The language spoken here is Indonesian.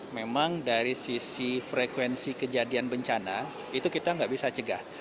memang dari sisi frekuensi kejadian bencana itu kita nggak bisa cegah